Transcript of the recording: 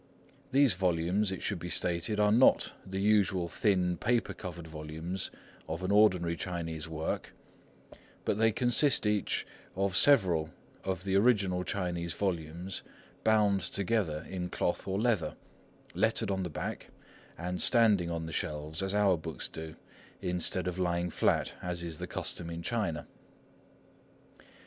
These volumes, it should be stated, are not the usual thin, paper covered volumes of an ordinary Chinese work, but they consist each of several of the original Chinese volumes bound together in cloth or leather, lettered on the back, and standing on the shelves, as our books do, instead of lying flat, as is the custom in China.